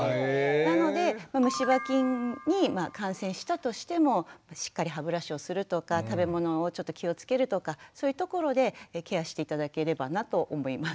なのでむし歯菌に感染したとしてもしっかり歯ブラシをするとか食べ物をちょっと気をつけるとかそういうところでケアして頂ければなと思います。